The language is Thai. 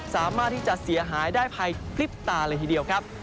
สามารถที่จะเสียหายได้ภายพลิบตาเลยทีเดียวครับ